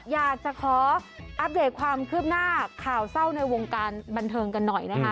อยากจะขออัปเดตความคืบหน้าข่าวเศร้าในวงการบันเทิงกันหน่อยนะคะ